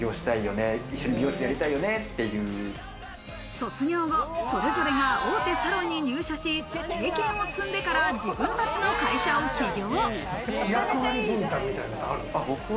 卒業後それぞれが大手サロンに入社し、経験を積んでから自分たちの会社を起業。